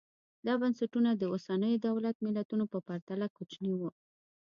دا بنسټونه د اوسنیو دولت ملتونو په پرتله کوچني وو